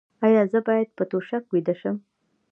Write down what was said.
ایا زه باید په توشک ویده شم؟